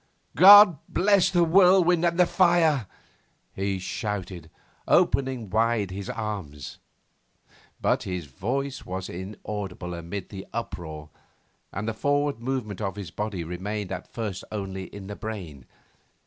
'God bless the whirlwind and the fire!' he shouted, opening wide his arms. But his voice was inaudible amid the uproar, and the forward movement of his body remained at first only in the brain.